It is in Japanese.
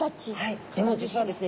でも実はですね